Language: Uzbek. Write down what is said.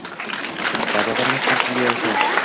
Da’volarimiz ham shunga yarasha